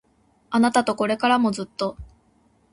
あなたとこれからもずっと